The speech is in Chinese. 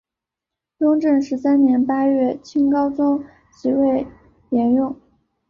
雍正十三年八月清高宗即位沿用。